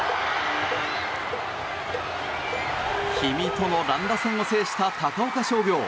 氷見との乱打戦を制した高岡商業。